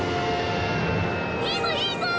いいぞいいぞ！